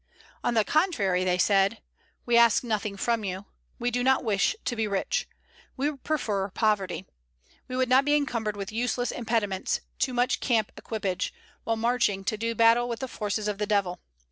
On the contrary they said, "We ask nothing from you. We do not wish to be rich. We prefer poverty. We would not be encumbered with useless impediments too much camp equipage while marching to do battle with the forces of the Devil.